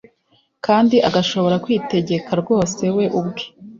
kandi agashobora kwitegeka rwose we ubwe,